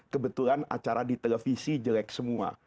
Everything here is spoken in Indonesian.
kebetulan acara di televisi jelek semua